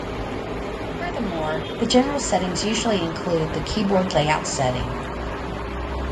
Furthermore, the general settings usually include the keyboard layout setting.